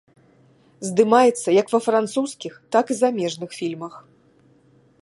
Здымаецца як ва французскіх, так і замежных фільмах.